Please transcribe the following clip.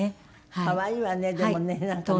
可愛いわねでもねなんかね。